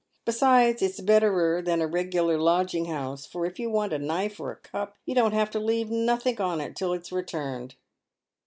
Besides, it's betterer than a regular lodging house, for if you want a knife or a cup, you don't have to leave nothink on it till it's returned."